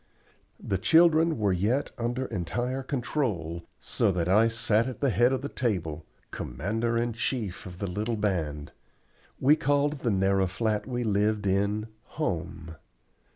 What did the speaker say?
The children were yet under entire control, so that I sat at the head of the table, commander in chief of the little band. We called the narrow flat we lived in "home."